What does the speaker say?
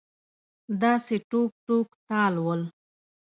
داسې ټوک ټوک تال ول